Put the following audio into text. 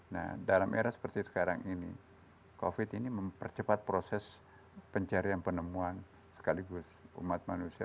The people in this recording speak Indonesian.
nah dalam era seperti sekarang ini covid ini mempercepat proses pencarian penemuan sekaligus umat manusia